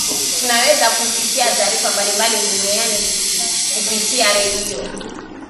tunaweza kusikia taarifa mbalimbali duniani kupitia redio